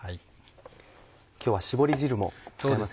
今日は絞り汁も使います。